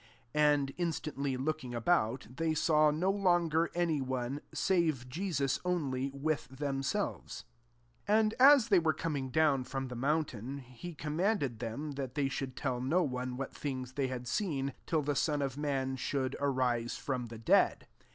*' 8 And in stantly looking about, they saw no longer any one, save Jesus only, with themselves. 9 And as they were coming down from the mountain, he commanded them, that they should tell no one what things they had seen, till the Son of man should arise from the dead.